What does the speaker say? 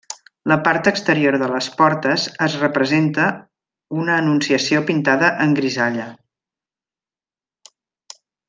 La part exterior de les portes es representa una anunciació pintada en grisalla.